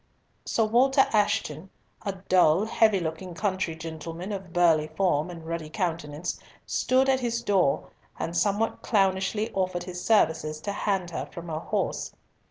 Sir Walter Ashton, a dull heavy looking country gentleman of burly form and ruddy countenance, stood at his door, and somewhat clownishly offered his services to hand her from her horse.